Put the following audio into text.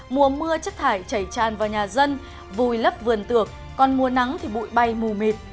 mùa mưa chất thải chảy tràn vào nhà dân vùi lấp vườn tược còn mùa nắng thì bụi bay mù mịt